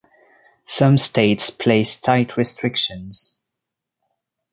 Some states place tight restrictions.